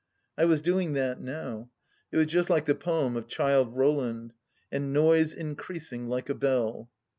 I was doing that now. It was just like the poem of Childe Roland : "And noise increasing like a bell.